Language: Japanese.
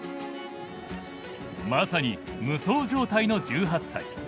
まさに無双状態の１８歳。